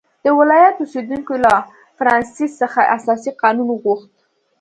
د ولایت اوسېدونکو له فرانسیس څخه اساسي قانون وغوښت.